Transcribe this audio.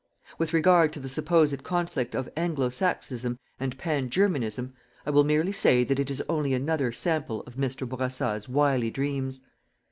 With regard to the supposed conflict of "anglo saxonism" and "pan germanism" I will merely say that it is only another sample of Mr. Bourassa's wily dreams.